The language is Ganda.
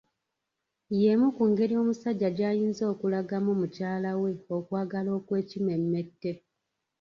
Y'emu ku ngeri omusajja gy'ayinza okulagamu mukyala we okwagala okwekimmemmette.